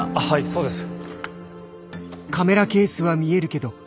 そうです。